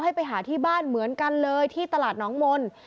ไปหาที่บ้านเหมือนกันเลยที่ตลาดน้องมนต์